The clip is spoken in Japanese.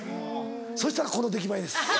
そしたらこの出来栄えです。